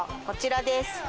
こちらです。